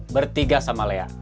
bertiga sama lea